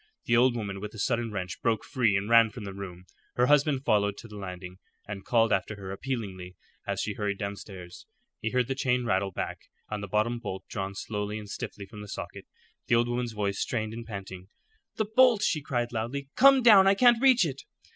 The old woman with a sudden wrench broke free and ran from the room. Her husband followed to the landing, and called after her appealingly as she hurried downstairs. He heard the chain rattle back and the bottom bolt drawn slowly and stiffly from the socket. Then the old woman's voice, strained and panting. "The bolt," she cried, loudly. "Come down. I can't reach it."